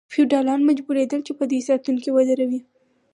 فیوډالان مجبوریدل چې په دوی ساتونکي ودروي.